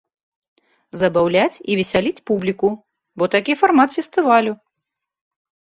Забаўляць і весяліць публіку, бо такі фармат фестывалю.